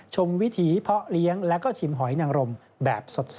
วิถีเพาะเลี้ยงแล้วก็ชิมหอยนังรมแบบสด